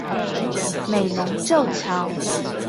美濃舊橋